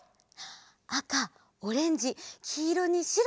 あかオレンジきいろにしろ。